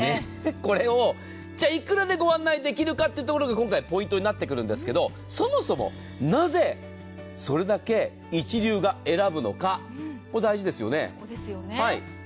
これをいくらでご案内できるかというところが今回ポイントになってくるんですが、そもそも、なぜそれだけ一流が選ぶのか、これ大事ですよね。